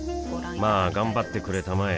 まあ頑張ってくれたまえ